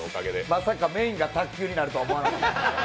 まさかメインが卓球になるとは思わなかった。